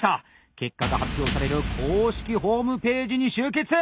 結果が発表される公式ホームページに集結！